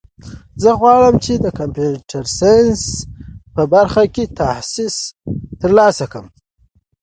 زه غواړم چې د کمپیوټر ساینس په برخه کې تخصص ترلاسه کړم